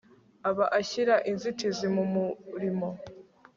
aba ashyira inzitizi mu murimo